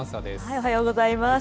おはようございます。